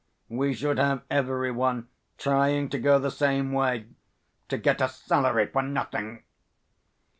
We should have every one trying to go the same way to get a salary for nothing."